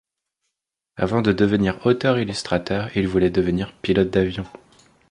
Avant de devenir auteur illustrateur, il voulait devenir pilote d'avion.